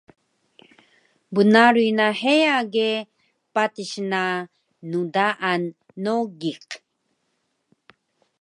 Bnaruy na heya ge patis na ndaan Nogiq